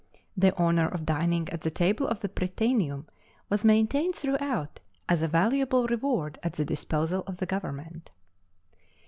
The honor of dining at the table of the Prytaneum was maintained throughout as a valuable reward at the disposal of the government.